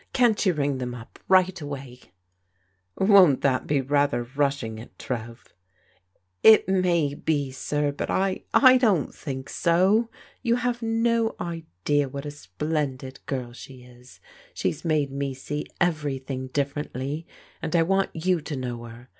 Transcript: Can't you ring tiiem up rigbl av^^^l 272 PBODIOAL DAU0HTEB3 •• Won't that be rather rushing it, Trev? "" It may be, sir, but I — I don't think so. You have no idea what a splendid girl she is I She's made me see everything differently and I want you to know her.